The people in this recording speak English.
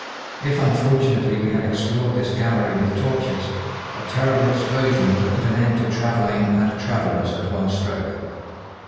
If unfortunately we had explored this gallery with torches, a terrible explosion would have put an end to travelling and travellers at one stroke.